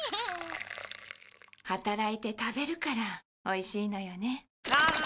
働いて食べるからおいしいのよね。